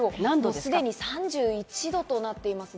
すでに３１度となっています。